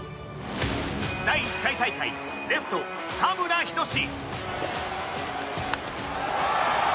第１回大会、レフト多村仁志。